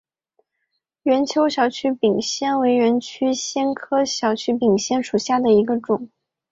圆锹小曲柄藓为曲尾藓科小曲柄藓属下的一个种。